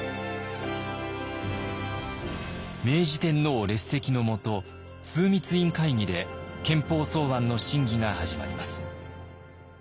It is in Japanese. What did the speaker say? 明治天皇列席の下枢密院会議で憲法草案の審議が始まります。